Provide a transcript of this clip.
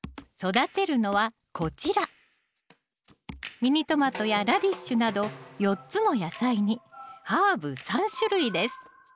ミニトマトやラディッシュなど４つの野菜にハーブ３種類です